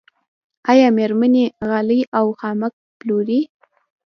آیا میرمنې غالۍ او خامک پلوري؟